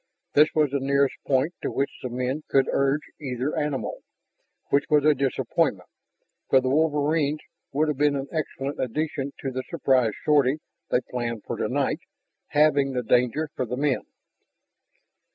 This was the nearest point to which the men could urge either animal, which was a disappointment, for the wolverines would have been an excellent addition to the surprise sortie they planned for tonight, halving the danger for the men.